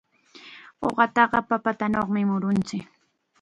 Uqataqa papatanawmi murunchik.